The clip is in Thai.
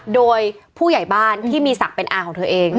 โดยผู้ใหญ่บ้านที่มีศักดิ์เป็นอาของเธอเอง